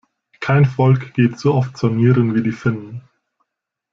Kein Volk geht so oft saunieren wie die Finnen.